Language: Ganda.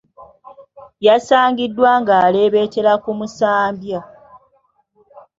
Yasangiddwa ng’alebeetera ku musambya.